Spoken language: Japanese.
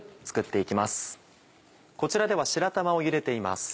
こちらでは白玉をゆでています。